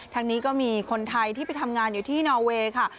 ทางนี้ก็มีคนไทยที่ไปทำงานอยู่ที่นอเวย์ค่ะ